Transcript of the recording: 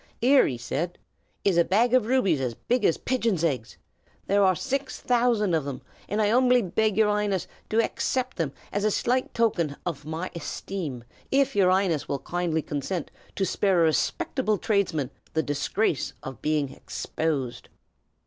"Here," he said, "is a bag of rubies as big as pigeon's eggs. There are six thousand of them, and I 'umbly beg your 'Ighness to haccept them as a slight token hof my hesteem, if your 'Ighness will kindly consent to spare a respeckable tradesman the disgrace of being hexposed."